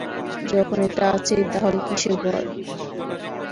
যখন এটা আছেই, তাহলে ভয় কিসের?